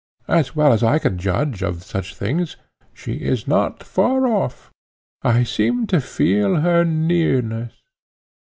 As well as I can judge of such things, she is not far off; I seem to feel her nearness.